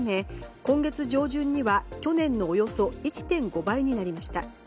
今月上旬には去年のおよそ１．５倍になりました。